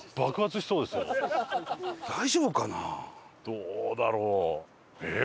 どうだろう？ええー